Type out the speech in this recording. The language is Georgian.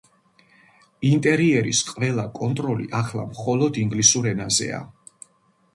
ინტერიერის ყველა კონტროლი ახლა მხოლოდ ინგლისურ ენაზეა.